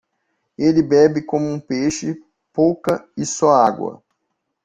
Ele bebe como peixe, pouca e só água.